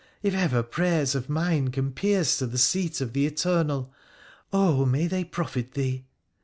if ever prayers of mine can pierce to the seat of the Eternal, oh, may they profit thee